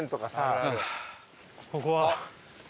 ここは。